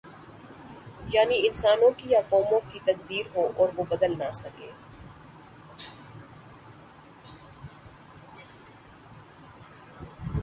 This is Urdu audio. یعنی انسانوں کی یا قوموں کی تقدیر ہو اور وہ بدل نہ سکے۔